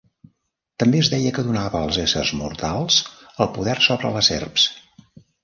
També es deia que donava als éssers mortals el poder sobre les serps.